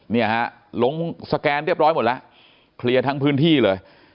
เนี่ยฮะลงสแกนเรียบร้อยหมดแล้วเคลียร์ทั้งพื้นที่เลย